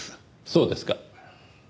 そうですか。